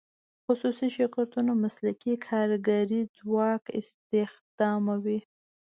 خصوصي شرکتونه مسلکي کارګري ځواک استخداموي.